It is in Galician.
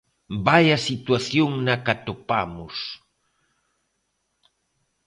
Vaia situación na que atopamos!